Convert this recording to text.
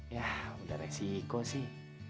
yah udah resiko sih